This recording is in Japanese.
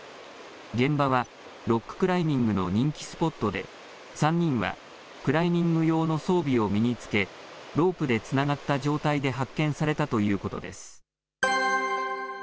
現場はロッククライミングの人気スポットで、３人はクライミング用の装備を身に着け、ロープでつながった状態で発見されたということです。